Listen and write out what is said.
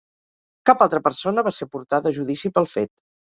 Cap altra persona va ser portada a judici pel fet.